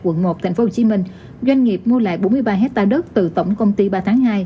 quận một tp hcm doanh nghiệp mua lại bốn mươi ba hectare đất từ tổng công ty ba tháng hai